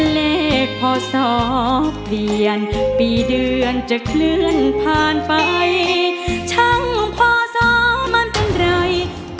เลขพศเปลี่ยนปีเดือนจะเคลื่อนผ่านไปช่างพอสอมันเป็นไร